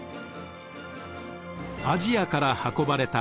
アジアから運ばれた香辛料。